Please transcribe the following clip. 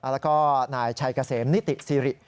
แล้วก็นายชัยเกษมนิติสิริ